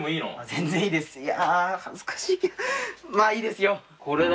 全然いいですよ。